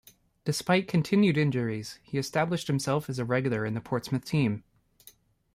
Despite continued injuries, he established himself as a regular in the Portsmouth team.